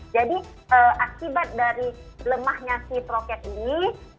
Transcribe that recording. jadi akibat dari lemahnya si prokes ini